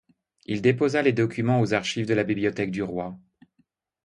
Il déposa les documents aux archives de la bibliothèque du roi.